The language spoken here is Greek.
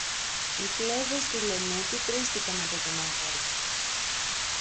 οι φλέβες του λαιμού του πρήστηκαν από τον αγώνα.